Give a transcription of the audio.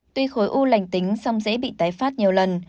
tuy khối u lành tính song dễ bị tái phát nhiều lần